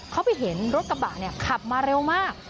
เขาไปเห็นรถกระบะเนี่ยขับมาเร็วมาก